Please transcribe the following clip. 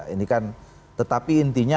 ini kan tetapi intinya